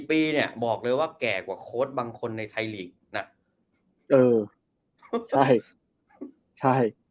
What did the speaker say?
๔๔ปีบอกเลยว่าแก่กว่าโค้ดบางคนในไทรลิงค์